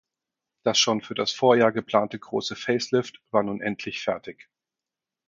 Das schon für das Vorjahr geplante große Facelift war nun endlich fertig.